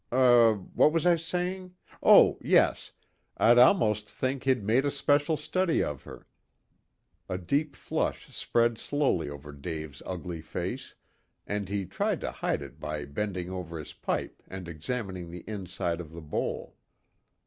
"Er what was I saying? Oh, yes I'd almost think he'd made a special study of her." A deep flush spread slowly over Dave's ugly face, and he tried to hide it by bending over his pipe and examining the inside of the bowl.